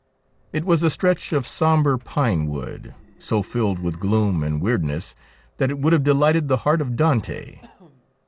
It was a stretch of sombre pine wood, so filled with gloom and weird ness that it would have delighted the heart of Dante.